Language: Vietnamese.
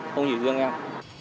không dữ dương đâu